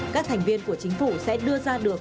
các thành viên của chính phủ sẽ đưa ra được